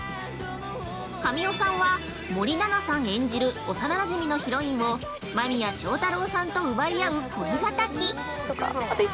神尾さんは、森七菜さん演じる幼なじみのヒロインを間宮祥太朗さんと奪い合う恋敵。